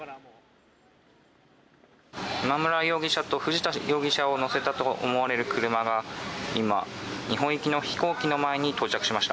今村容疑者と藤田容疑者を乗せたと思われる車が今、日本行きの飛行機の前に到着しました。